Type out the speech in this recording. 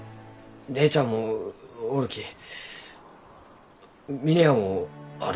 姉ちゃんもおるき峰屋もある。